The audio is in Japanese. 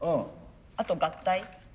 あと合体。